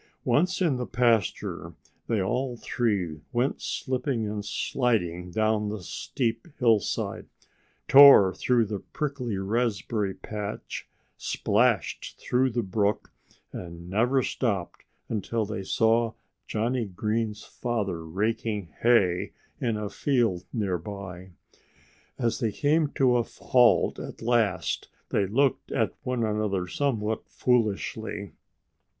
Once in the pasture they all three went slipping and sliding down the steep hillside, tore through the prickly raspberry patch, splashed through the brook, and never stopped until they saw Johnnie Green's father raking hay in a field nearby. As they came to a halt at last they looked at one another somewhat foolishly.